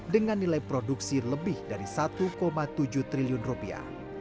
dengan nilai produksi lebih dari satu tujuh triliun rupiah